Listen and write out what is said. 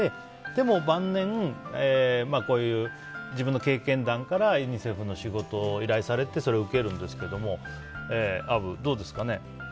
でも、晩年こういう自分の経験談からユニセフの仕事を依頼されてそれを受けるんですけどアブ、どうですか？